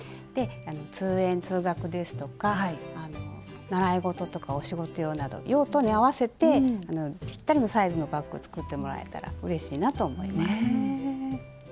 通園・通学ですとか習い事とかお仕事用など用途に合わせてぴったりのサイズのバッグを作ってもらえたらうれしいなと思います。